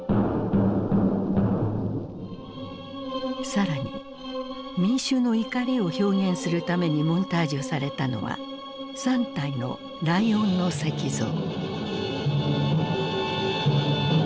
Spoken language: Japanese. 更に民衆の怒りを表現するためにモンタージュされたのは３体のライオンの石像。